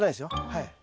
はい。